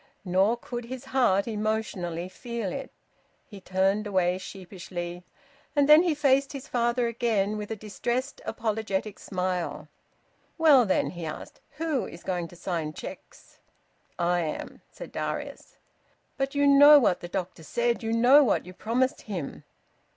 Nor could his heart emotionally feel it. He turned away sheepishly, and then he faced his father again, with a distressed, apologetic smile. "Well then," he asked, "who is going to sign cheques?" "I am," said Darius. "But you know what the doctor said! You know what you promised him!"